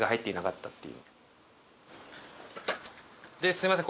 すいません。